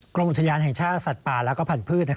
กรมอุทยานแห่งชาติสัตว์ป่าและพันธุ์